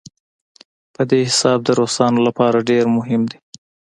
په دې حساب د روسانو لپاره ډېر مهم دی.